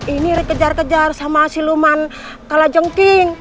ini dikejar kejar sama siluman kalajengking